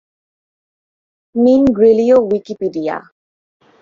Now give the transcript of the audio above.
মিনগ্রেলীয় Wikipedia